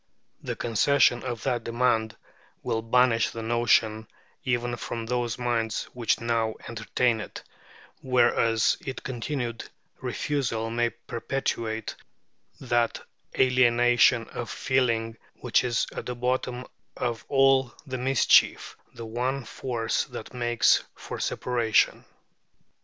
The concession of that demand will banish the notion even from those minds which now entertain it, whereas its continued refusal may perpetuate that alienation of feeling which is at the bottom of all the mischief, the one force that makes for separation.